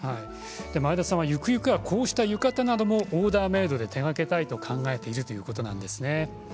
前田さんはゆくゆくはこういう浴衣などもオーダーメードで手がけたいと考えているということです。